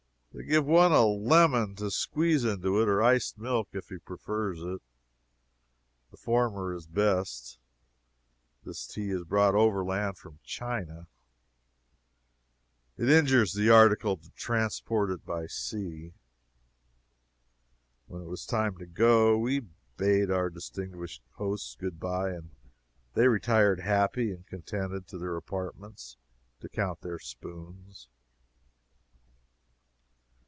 They give one a lemon to squeeze into it, or iced milk, if he prefers it. The former is best. This tea is brought overland from China. It injures the article to transport it by sea. When it was time to go, we bade our distinguished hosts good bye, and they retired happy and contented to their apartments to count their spoons.